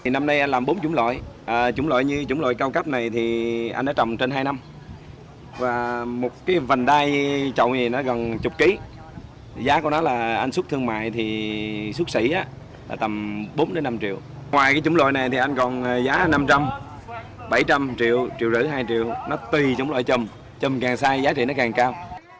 ngoài cái trúng loại này thì anh còn giá năm trăm linh bảy trăm linh triệu triệu rưỡi hai triệu nó tùy trúng loại trùm trùm càng sai giá trị nó càng cao